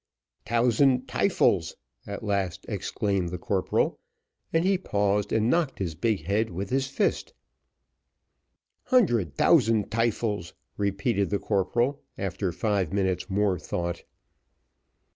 "Tousand tyfels!" at last exclaimed the corporal, and he paused and knocked his big head with his fist. "Hundred thousand tyfels!" repeated the corporal after five minutes' more thought.